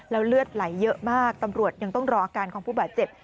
เลือดไหลเยอะมากตำรวจยังต้องรออาการของผู้บาดเจ็บ